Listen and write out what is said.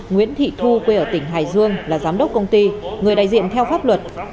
nguyễn thị thu quê ở tỉnh hải dương là giám đốc công ty người đại diện theo pháp luật